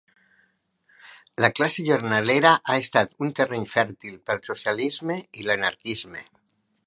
La classe "jornalera" ha estat un terreny fèrtil pel socialisme i l'anarquisme.